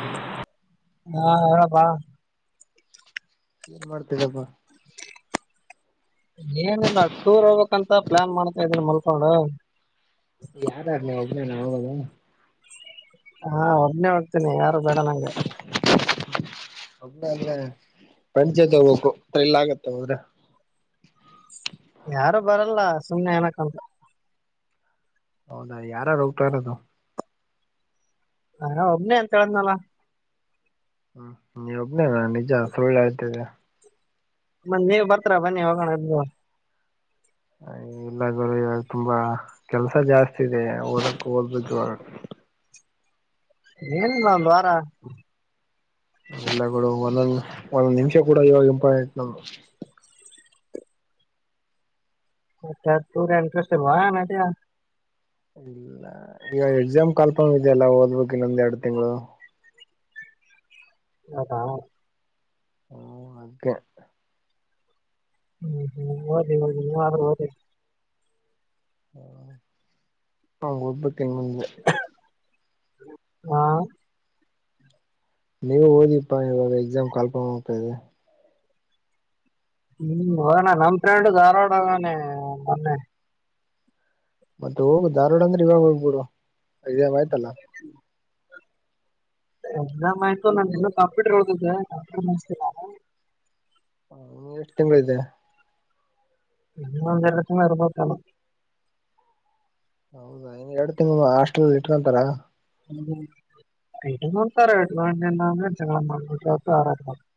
ಹ [inaudible] ಹಾ, ಹೇಳಪ್ಪಾ ಏನ್ ಮಾಡ್ತಿರಪ್ಪಾ ಏನಿಲ್ಲ ಟೂರ್ ಹೋಗ್ಬೇಕಂತ ಪ್ಲಾನ್ ಮಾಡ್ತಾ ಇದೀನಿ ಮಲ್ ಹೌದಾ, ಯಾರಾರಲಿ ಒಬ್ಬ್ರೇನ ಆಲ್ಲ [unintelligible] ಹಾ, ಒಬ್ಬನೇ ಹೋಗ್ತೀನಿ ಯಾರು ಬೇಡ ನಂಗೆ. ಒಬ್ಬನೇ [unintelligible] ಪಂಚೆತ್ೋಗ್ಬೇಕು ಅ ಇಲ್ಲ ಆಗತ್ತ ಹೋದ್ರೆ ಯಾರು ಬರಲ್ಲ ಸುಮ್ನೆ ಏನಕ್ಂತ. ಹೌದಾ, ಯಾರು ಹೋಗ [unintelligible] ಟ ಇರೋದು ನಾ ಒಬ್ನನೆ ಅಂತ ಹೇಳದ್ನಲ ಹ್ಮ್, ನೀವ ಒಬ್ಬನೇ ನಿಜ ಸುಳ್ಳು ಹೇಳ್ತಾದಿಯಾ. ಮತ್ತ್ ನೀವು ಬರ್ತ್ರರ ಬನ್ನಿ ಹೋಗೋಣ ಅದ ಇಲ್ಲ ಗುರು ಇವಾಗ ತುಂಬಾ ಕೆಲ್ಸ ಜಾಸ್ತಿ ಇದೆ. ಓದಕ್ ಓದ್ಬೇಕು ಇವಾಗ ಏನಿಲ್ಲ ಒ್ ವಾರ [inaudible] ಎಲ್ಲಗಳು ಒಂದೊಂದ ಒಂದೊಂದ್ ನಿಮಿಷ ಕೂಡ ಇವಾಗ ಇಂಪಾರ್ಟೆಂಟ್ ನಮಗ. ೂರ ಎಂಟ್ರೆಸ್ಟ್ವಾ ನ [unintelligible] ಇಲ್ಲ ಈವ ಎಕ್ಸಾಮ್ ಕಾಲ್ಪ ಇದೆಯಲ್ಲ ಓದ್ಬೇಕ್ ಇನ್ನೊಂದ್ ಎರಡು ತಿಂಗಳು. ಹೌದಾ [inaudible] ಹ್ಮ ಹಾಗೆ [unintelligible] ಹ್ಮ್ ಹ್ಮ್ದದ್ರದ [unintelligible] ಹ ಅವಂಗ್ಬ ತಿಂಗ [unintelligible] ಹಾ ನೀವು ಓದಿಪ್ಪಾ ಇವಾಗ ಎಕ್ಸಾಮ್ ಕಾಲ್ಫಾಂ ಆಗ್ತಾ ಇದೆ. ಹ್ಮ್ ಹೋಗಣ ನಮ್ ಫ್ರೆಂಡ್ ಧಾರವಾಡಗೋಗನೆ ಮೊನ್ನೆ. ಮತ್ತೆ ಹೋಗು ಧಾರ್ವಾಡ ಅಂದ್ರೆ ಇವಾಗ ಹೋಗ್ಬಿಡು ಈಗೇನ್ ಆಯ್ತಲ್ಲಾ. ಎಕ್ಸಾಮ್ ಆಯ್ತು ಇನ್ನು ಕಂಪೂಟರ್ ಒಂದಿದೆ. ಇನ್ನೆಷ್ಟ್ ತಿಂಗಳಿದೆ? ಇನ್ನೊಂದ್ ಎರಡ್ ತಿಂಗ್ಳು ಇರ್ಬೋದೇನೊ. ಹೌದಾ ಇನ್ ಎರಡು ತಿಂಗಳು ಹಾಸ್ಟಲಲ್ಲಿ ಇಟ್ಕೊಂತಾರ? ಹ್ಮ ಇಟ್ಕೊಂತಾರೆ [unintelligible]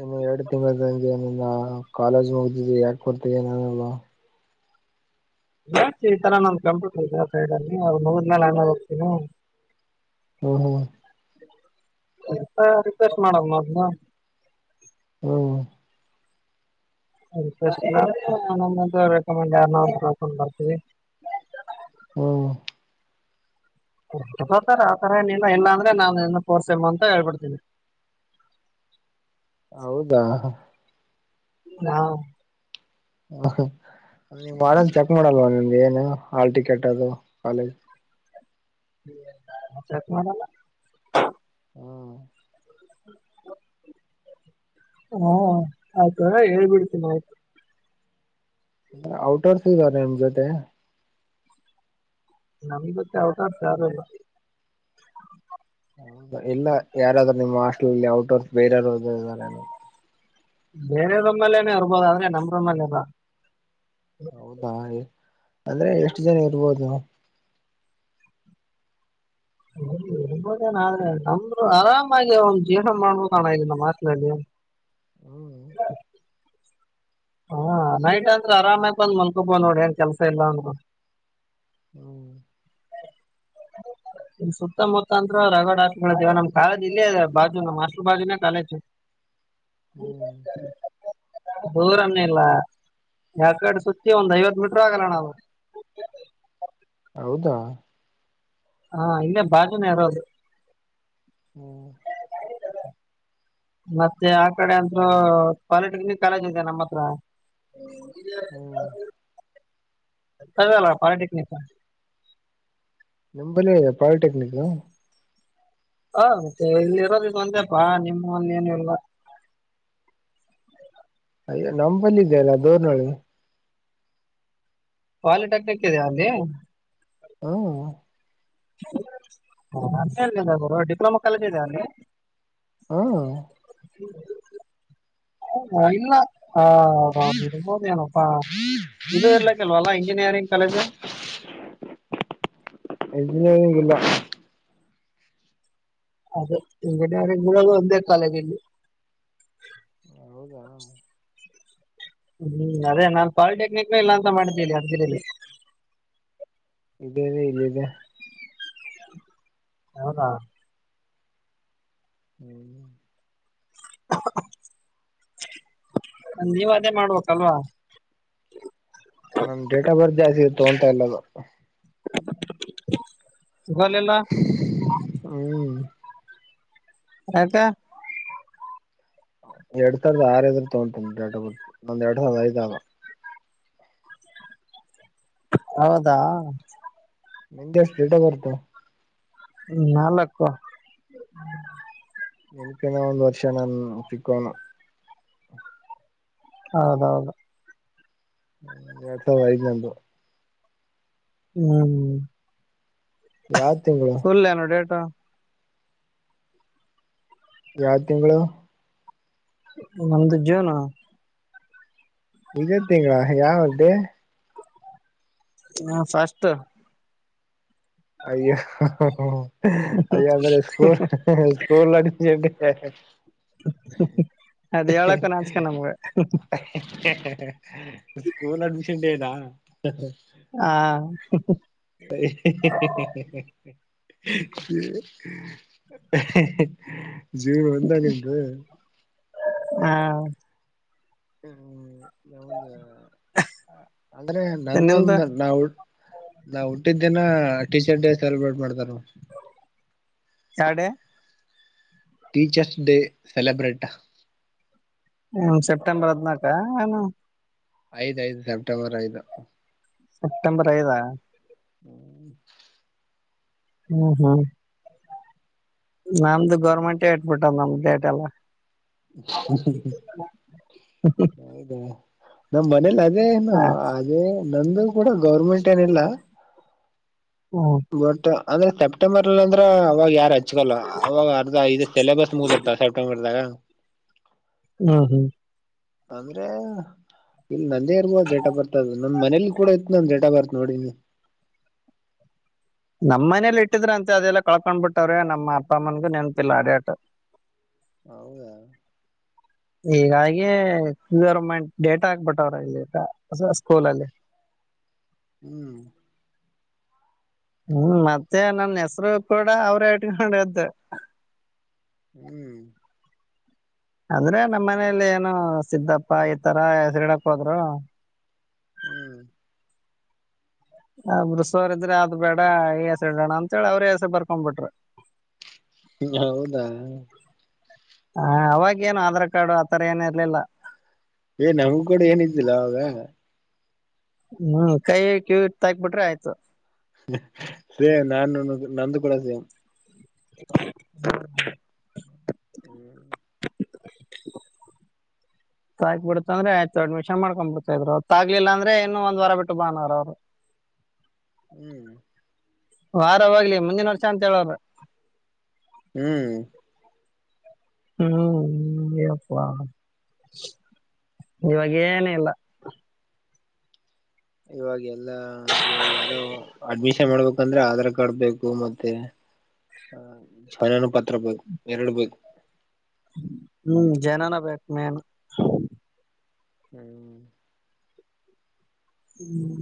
ಇನ್ನು ಎರಡು ತಿಂಗಳಂಗೆ ನಿನ್ನ್ ಕಾಲೇಜ್ ಮುಗ್ದಿದಿ ಯಾಕ ಹೋಗ್ತೀನಾನಲ್ವ. ಹೇಳ್ತಿನಿ ಈ ತರ ನಂದು ಕಂಪ್ಯೂಟರ್ ಇದಿ ಅವ್ ಮುಗ್ದ ಮೇಲೆನ ಹೋಗ್ತೀನಿ. ಹಓ ಹೋ ಎ ರಿಕ್ವೆಸ್ಟ್ ಮಾಡದು ಮೊದ್ಲು. ಹ್ಮ್ ಅ [unintelligible] ರೆಕಮೆಂಡ್ ಯಾರ್ನಾರ ಕರ್ಕೊಂಡ್ ಬರ್ತವಿ. ಹ್ಮ ತಾರ ಆತರ ಏನಿಲ್ಲ ಇಲ್ಲಾಂದ್ರೆ ನಾ ನಿ ಕೋರ್ಸೆಮ ಅಂತ ಹೇಳ್ಬಿಡ್ತೀನಿ. ಹೌದಾ? ಹಾ ಹ ನಮ್ ವಾರ್ಡನ್ ಚೆಕ್ ಮಾಡಲ್ವ ನಿಮಗೆ ಏನು ಹಾಲ್ ಟಿಕೆಟ್ ಅದು ಕಾಲೇಜ್ ಚೆಕ್ ಮಾಡಲ್ಲ. ಹ್ಮ ಹ್ಮ [inaudible] ಹುಂ ಆಯ್ತ ಹೇಳ್ಬಿಡ್ತೀನಿ ಆಯ್ತು. ಔಟಾಫ್ ನಿಂದಾ ನಿಮ್ಜತೆ. ನಮ್ಜೊತೆೆ ಔಟಾಫ್ ಯಾರು ಇಲ್ಲ. ಹೌದಾ ಇಲ್ಲ ಯಾರಾದ್ರು ನಿಮ್ಮ್ ಹಾಸ್ಟೆಲಲ್ಲಿ ಔಟ್ ಆಫ್ ಬೇರೆರವ್ರೂ ಇದ್ದಾರೆನೊ. ಬೇರೆ ರೂಮ್ನನಲ್ಲೆನೆ ಇರ್ಬೋದು ಆದ್ರೆ ನಮ್ರೂಮಲಲ್ಲ. ಹೌದಾ ಅಂದ್ರೆ ಎಷ್ಟು ಜನ ಇರ್ಬೋದು? [inaudible] ಇರ್ಬೊದಣ ಆದ್ರೆ ನಮ್ರು ಆರಾಮಾಗಿ ಒಂದು ಜೀವ್ನ ಮಾಡ್ಬೋದಣ ಇಲ್ಲಿ ನಮ್ ಹಾಸ್ಟಲ್ಲಿ. ಹ್ಮ್ ಹ ಹಾ ನೈಟ್ ಅಂದ್ರ ಆರಾಮಾಗ್ ಬಂದ್ ಮಲ್ಕೊಬೋ ನೋಡಿ ಏನ್ ಕೆಲ್ಸ ಇಲ್ಲ ಅಂದ್ರು. ಹ್ಮ್ ಇ ಸುತ್ತಮುತ್ತ ಅಂತ ರಗಡ್ ಹಾಲ್ಗಳಿವೆ ನಮ್ ಕಾಲೇಜ ಇಲ್ಲೇ ಅದೆ ಬಾಜು ನಮ್ ಹಾಸ್ಟ್ಲು ಬಾಜುನೇ ಕಾಲೇಜ್. ಹ್ಮ್ ದೂರನ್ನೆಲ್ಲ ಯಾಕಡೆ ಸುತ್ತಿ ಒಂದ್ ಐವತ್ತು ಮೀಟ್ರ ಆಗಲ್ಲಣ ಅವು. ಹೌದಾ? ಹಾ ಇಲ್ಲೇ ಬಾಜುನೇ ಇರೋದು. ಹ್ಮ ಮತ್ತೆ ಆ ಕಡೆ ಅಂತೂ ಪಾಲಿಟೆಕ್ನಿಕ್ ಕಾಲೇಜ್ ಇದೆ ನಮ್ಮತ್ರ. ಹ್ಮ್ ಕ ಅಲ್ಲೆ ಪಲಿಟೆಕ್ನಿಕ. ನಿಂಬಲ್ಲಿ ಇದ ಪಾಲಿಟೆಕ್ನಿಕ್. ಹ ಮತ್ತೆ ಇಲ್ಲಿರೋದು ಇದೊಂದೆ ಪಾ ನಿಮ್ಮಲ್ಲಿ ಏನು ಇಲ್ಲ. ಅಯ್ಯೋ ನಂಬಲ್ಲಿ ಇದೆಯಲ್ಲ ದೋರ್ನೋಳಿ. ಪಾಲಿಟೆಕ್ನಿಕ್ ಇದೆಯಾ ಅಲ್ಲಿ. ಹೂಂ ಹಂಗೇನಿಲ್ಲಾ ಗರು ಡಿಪ್ಲೊಮಾ ಕಾಲೇಜ್ ಇದೆಯಾ ಅಲ್ಲಿ. ಹಾ ಇಲ್ಲ ಆ ಇರಬೋದ ಏನೋಪ್ಪಾ ಇದು ಇರ್ಲಿಕ್ಕಲ್ವಲ್ಲಾ ಇಂಜಿನಿಯರಿಂಗ್ ಕಾಲೇಜು? ಇಂಜಿನಿಯರಿಂಗ್ ಇಲ್ಲಾ. ಅದೇ ಇಂಜಿನಿಯರಿಂಗ್ ಇರೋದು ಒಂದೇ ಕಾಲೇಜ್ ಇಲ್ಲಿ. ಹೌದಾ. ಹ್ಮ್ ಅದೇ ನಾನ್ ಪಾಲಿಟೆಕ್ನಿಕ್ನು ಇಲ್ಲಾ ಅಂತ ಮಾಡಿದ್ದೇ ಅರ್ಗಿರೆಲ್ಲಿ. ಇಂಜಿನಿಯರಿಂಗ್ ಇದೇ. ಹೌದಾ. ಹ್ಮ್ ನೀವೂ ಅದೇ ಮಾಡ್ಬೇಕಲ್ವಾ? ನಮ್ ಡೇಟ್ ಆಫ್ ಬರ್ತ್ ಜಾಸ್ತಿ ಇತ್ತು ತೊಗೊಂತಾ ಇಲ್ಲಾ ಅದು. ತೊಗೊಲಿಲ್ಲ. ಹ್ಮ ಯಾಕೆ? ಎರಡ್ ಸಾವಿರ್ದ ಆರ್ ಇದ್ರ ತೊಗೊಂತ್ ಡೇಟ್ ಆಫ ಬರ್ತ್ ನಂದ ಎಡ್ ಸಾವಿರ ಐದ್ ಅದು. ಹೌದಾ ನಿಂದ ಎಸ್ಟ್ ಡೇಟ್ ಆಫ್ ಬರ್ತ? ನಾಲಕ್ಕೂ. ನಿನ್ಕಿನಾ ಒಂದ್ ವರ್ಷ ನಾನ್ ಚಿಕ್ಕೋನು. ಹೌದೌದೂ. ಎರಡ್ ಸಾವ್ರದ ಐದ ನಂದು. ಹ್ಮ್ ಯಾವ ತಿಂಗಳು? ಫುಲ್ ಹೇಳು ಡೇಟ್ ಯಾವ ತಿಂಗಳು? ನಮ್ದು ಜ್ಯೂನೂ. ಇದೇ ತಿಂಗಳಾ ಯಾವ ಡೇ? ಹ ಫಸ್ಟ್. ಅಯ್ಯೋ ಹ ಹ ಹೂ ಅಯ್ಯೊ ಅಂದ್ರೆ ಸ್ಕೂಲ್ ಹ ಸ್ಕೂಲ್ದಾಗ್ ಸರ್ಕೊಂಡಿದ ಹಾ ಹಾ ಹ್ಮ್ ಹ್ಮ್ ಅದ್ ಹೇಳಕ ನಾಚ್ಕೆ ನಮ್ಗ. ಹೆ ಹೆ ಸ್ಕೂಲ್ ಅಡ್ಮಿಷನ್ ಡೇನಾ? ಆ ಹೆ ಹೇ ಹೆ ಹೆ ಹೆ ಹೆ [unintelligible] ನಿಂದು ಆ ಹ್ಮ್ ಅಂದ್ರೆ ನಿಂದು ನಂದೊಂದ ನಾವು ನಾ ಹುಟ್ಟಿದ್ದ ದಿನ ಟೀಚರ್ ಡೇ ಸೆಲೆಬ್ರೇಟ್ ಮಾಡ್ತಾರ. ಯಾವ್ ಡೇ? Teachers day celebrate. ಹ್ಮ ಸೆಪ್ಟೆಂಬರ್ ಹದ್ನಾಕ ಏನೂ. ಐದ್ ಐದ ಸಪ್ಟೆಂಬರ್ ಐದ. ಸೆಪ್ಟೆಂಬರ್ ಐದ [inaudible] ಹ್ಮ್ ಹ್ಮ್. ನಂದ ಗೌರ್ಮೆಂಟ ಎಟ್ ನಮ್ದ ಡೇಟ್ ಎಲ್ಲ ಹೌದಾ ನಮ್ ಮನೇಲ್ಲ ಏನ್ ಆ, ಅದೇ ನಂದು ಕೂಡ ಗೌರ್ಮೆಂಟ್ ಏನಿಲ್ಲ. ಹ್ಮ. ಬಟ್ ಅದ ಸೆಪ್ಟೆಂಬರ್ ಅಲ್ಲಿ ಅಂದ್ರ ಅವಾಗ ಯಾರ ಹಚ್ಕ ಅವಾಗ ಅರ್ಧ ಇದ ಸಿಲೆಬಸ್ ಮುಗತದಿರ್ ಸೆಪ್ಟೆಂಬರ್ದಾಗ ಹ್ಮ ಹ್ಮ. ಅಂದ್ರೆ ಇಲ್ಲಿ ನಂದೇ ಇರ್ಬೋದ ಡೇಟ್ ಆಫ್ ಬರ್ತದ. ನಮ್ಮ್ನೇಲಿ ಕೂಡ ಇತ್ತ ನನ್ ಡೇಟ್ ಆ ಬರ್ ನೋಡಿ ನಮ್ಮ್ನೇಲಿ ಇಟ್ಟಿದ್ರ ಅಂತ ಅದೆಲ್ಲ ಕಳ್ಕೊಂಡ ಬಿಟ್ಟ್ರೆ ನಮ್ಮ ಅಪ್ಪಮ್ಮನ್ಗೂ ನೆನ್ಪಿಲ್ಲ ಅದೇಟ್ ಹೌದ. ಹೀಗಾಗಿ ಗರ್ಮೆಂಟ್ ಡೇಟಾ ಹಾಕ್ಬಿಟ್ಟವ್ರ ಇಲ್ಲಿ ಹೊಸ ಸ್ಕೂಲಲ್ಲಿ ಹ್ಞೂ. ಹ್ಮ ಮತ್ತೆ ನನ್ನ ಹೆಸರ ಕೂಡ ಅವ್ರ ಇಟ್ಕೊಂಡ್ದ ಹ್ಮ. ಅಂದ್ರ ನಮ್ಮ ಮನೇಲಿ ಏನು ಸಿದ್ದಪ್ಪ ಈತರ ಹೆಸರಿಡಕ ಹೋದ್ರು. ಹ್ಮ. ಆ ಬಿಡಸೋರ ಇದ್ರ ಅದ ಬೇಡ ಈ ಹೆಸ ಇಡಣ ಅಂತ ಹೇಳಿ ಅವ್ರ ಹೆಸ ಬರ್ಕೊಂಡ ಬಿಟ್ರ. ಹೌದಾ ಅ ಅವಾಗೇನ ಆಧಾರ್ ಕಾರ್ಡ್ ಆತರ ಏನ ಇರ್ಲಿಲ್ಲ. ಏ ನಮ್ಮ ಕಡೆ ಏನಿದ್ದಿಲ್ಲ ಅವಗ ಹ್ಮ ಕೈ ಕ್ಯ ತಾಕ ಬಿಟ್ರ ಆಯ್ತು. ಸೆ ನಾನುದು ನಂದ ಕೂಡ ಸೇಮ್. [inaudible] [inaudible] ತಾಗ್ಬ ಬಿಡತ ಅಂದ್ರೆ ಆಯ್ತು ಅಡ್ಮಿಷನ್ ಮಾಡ್ಕ ಬಿಡ್ತಿದ್ರು ತಗ್ಲಿಲ್ಲ ಅಂದ್ರೆ ಇನ್ನು ಒಂದ ವಾರ ಬಿಟ್ಟ ಬಾ ಅನ್ನೋರ ಅವರು ಹ್ಮ. ವಾರ ಹೋಗ್ಲಿ ಮುಂದಿನ ವರ್ಷ ಅಂತ ಹೇಳೋರ. ಹ್ಮ. ಹ್ಮ ಎಪ್ಪ ಇವಾಗೇನ ಇಲ್ಲ. ಇವಾಗ ಎಲ್ಲಾ ಇವಾಗ ಯಾರ ಅಡ್ಮಿಷನ್ ಮಾಡ್ಬೇಕ. ಅಂದ್ರ ಆಧಾರ್ ಕಾರ್ಡ್ ಬೇಕು ಮತ್ತೆ ಛಾಯಾನು ಪತ್ರ ಬೇಕು ಎರಡು ಬೇಕು. ಹ್ಮ ಜನನ ಬೇಕ ಮೇನ್ ಹ್ಮ. ಹ್ಮ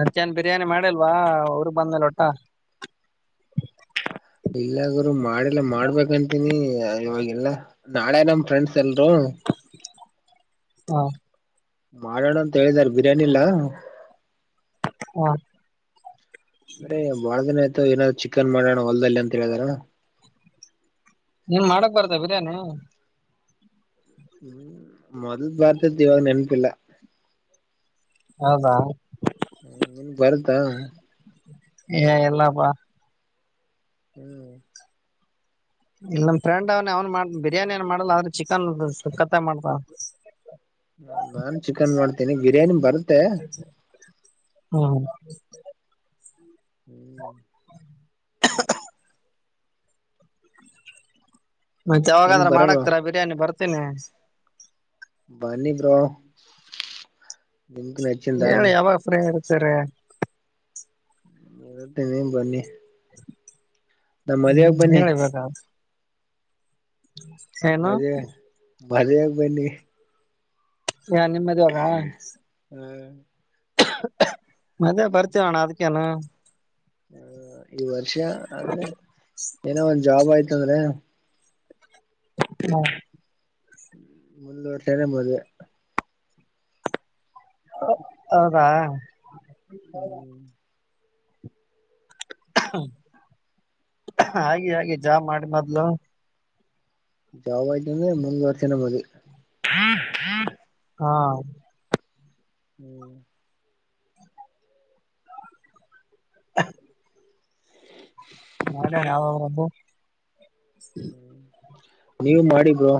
ಮತ್ತೇನ ಬಿರಿಯಾನಿ ಮಾಡಿಲ್ವಾ ಉರಿಗ ಬಂದಮೆಲ ಒಟ್ಟ ಇಲ್ಲ ಗುರು ಮಾಡಲ್ಲ ಮಾಡ್ಬೇಕಂತೀನಿ ಇವಾಗಲ್ಲ ನಾಳೆ ನಮ್ ಫ್ರೆಂಡ್ಸ್ ಎಲ್ರು ಹಾ ಮಾಡೋಣ ಅಂತ ಹೇಳಿದಲ್ ಬಿರಿಯಾನಿಲ್ಲಾ. ಹಾ ಅರೆ ಬಾಳ ದಿನ ಆಯ್ತು ಏನ ಚಿಕನ್ ಮಾಡೋಣ ಹೊಲ್ದದಲ್ಲಿ ಅಂತ ಹೇಳಿದಾರ. ನಿಂಗ್ ಮಾಡಕ್ ಬರ್ತ ಬಿರಿಯಾನಿ ಹ್ಮ್ ಮೊದಲ್ ಬರ್ತಿತ್ತು ಇವಾಗ ನೆನಪಿಲ್ಲ ಹೌದಾ ನಿಮ್ಗ್ ಬಾರುತ್ತ ಏ ಇಲ್ಲಪ್ಪಾ ಹ್ಮ್ ಇಲ್ ನಮ್ ಫ್ರೆಂಡ್ ಅವ್ನ ಅವ್ನ್ ಮಾಡ ಬಿರಿಯಾನಿನ್ ಮಾಡಲ್ಲ ಆದ್ರೆ ಚಿಕನ್ ಸಕ್ಕತ್ತಗೆ ಮಾಡ್ತನ ನಾನ್ ಚಿಕನ್ ಮಾಡ್ತೇನಿ ಬಿರಿಯಾನಿ ಬರುತ್ತೆ ಹ್ಮ ಹ್ಮ್ ಕುಕ್ [unintelligible] ಮತ್ತೆ ನಿನ್ಗ್ ಯಾವಗಾದ್ರೆ ಬರಲ್ವಾ ಮಾಡಕ್ತಿರಾ ಬಿರಿಯಾನಿ ಬರ್ತೀನಿ ಬನ್ನಿ ಬ್ರೋ ನಿಮ್ಗ್ ನಚ್ಚಿಂದ ಹೇಳಿ ಯಾವಾಗ ಫ್ರೀ ಇರ್ತಿರಿ ದಿನ ಬನ್ನಿ [unintelligible] ನಮ್ ಹ್ಮ್ ಮದ್ವೆಗ್ ಬನ್ನಿ ಹೇಳಿಬೇಕಗುತ್ತೆ [inaudible] ಮದುವೆ ಮದ್ವೇಗ್ ಬನ್ನಿ ಯಾರ್ ನಿಮ್ ಮದ್ವೆಗ ಹ್ಮ ಮದ್ವೇಗ್ ಬರ್ತೀವಣ್ಣ ಅದಕ್ಕೇನು ಹ ಈ ವರ್ಷ ಆದ್ರೆ ಏನೋ ಒಂದ್ ಜಾಬ್ ಆಯ್ತಂದ್ರೆ ಹಾ ಮುಂದ್ಲು ವರ್ಷನೆ ಮದುವೆ ಹೌದಾ ಹ್ಮ್ ಹಾಗೆ ಹಾಗೆ ಜಾಬ್ ಮಾಡಿ ಮೊದ್ಲು ಜಾಬ್ ಅಯ್ತು ಅಂದ್ರೆ ಮುಂದನ್ ವರ್ಷನ ಮದ್ವೆ ಹ ಹಾ ಹ್ಮ್ ಯಾವ ಅವ್ರಬ್ಬು ಹ್ಮ ನೀವು ಮಾಡಿ ಬ್ರೋ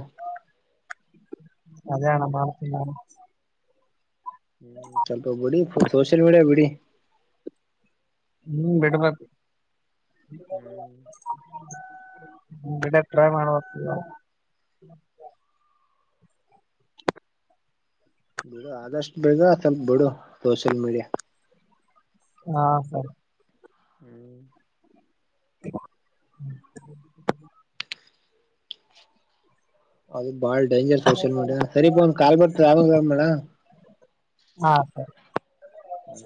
ಅದೇಣ್ಣ ಮಾಡ್ತಿನಿ ನಾನು ಹ್ಮ ಸ್ವಲ್ಪ ಬಿಡಿ ಸೋಷಿಯಲ್ ಮೀಡಿಯಾ ಬಿಡಿ ಹ್ಮ್ ಬಿಡ್ಬೇಕು ಹ್ಮ್ ಬಿಡಕ್ ಟ್ರೈ ಮಾಡ್ಬೇಕು ಈಗ ಹ ಬಿಡು ಆದಷ್ಟು ಬೇಗ ಸ್ವಲ್ಪ ಬಿಡು ಸೋಷಿಯಲ್ ಮೀಡಿಯಾ ಹಾ ಸರಿ ಹ್ಮ್ [inaudible] ಅದು ಬಾಳ ಡೇಂಜರ್ ಸೋಷಿಯಲ್ ಮೀಡಿಯಾ ಸರಿಪ ಒಂದ್ ಕಾಲ್ ಬರ್ತಿದೆ ಆಮೇಲ್ ಕಾಲ್ ಮಾಡ್ಲಾ ಹಾ ಸರಿ ಹ